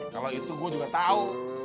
kalau itu gua juga tau